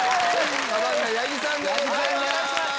サバンナ・八木さんでございます。